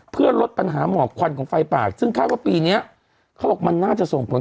เพื่อลดปัญหาหมอกควันของไฟปากซึ่งคาดว่าปีนี้เขาบอกมันน่าจะส่งผล